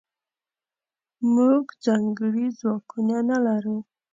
موږځنکړي ځواکونه نلرو